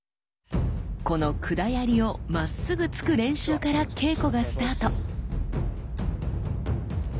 この管槍をまっすぐ突く練習から稽古がスタート。